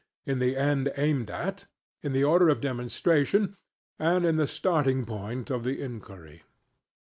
in the end aimed at; in the order of demonstration; and in the starting point of the inquiry.